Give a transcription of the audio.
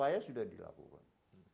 itu sudah dilakukan